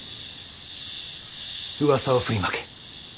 うわさを振りまけ。